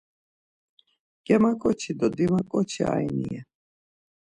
Germaǩoçi do dimaǩoçi ayni ren.